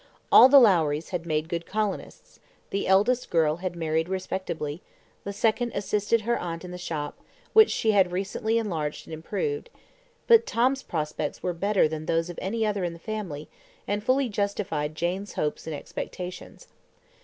All the Lowries had made good colonists; the eldest girl had married respectably; the second assisted her aunt in the shop, which she had recently enlarged and improved; but Tom's prospects were better than those of any other of the family, and fully justified Jane's hopes and expectations.